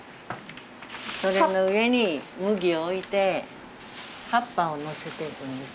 それの上に麦を置いて葉っぱをのせていくんですね。